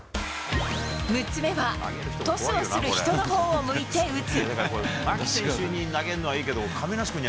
６つ目は、トスをする人のほうを向いて打つ。